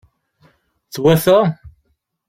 Twata?